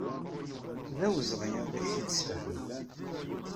D awezɣi ad ak-t-id-sfehmeɣ.